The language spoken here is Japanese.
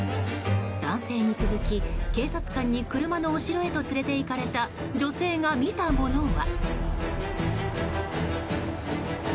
男性に続き警察官に車の後ろへと連れていかれた女性が見たものは。